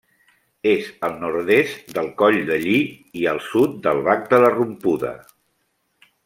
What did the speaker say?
És al nord-est del Coll de Lli i al sud del Bac de la Rompuda.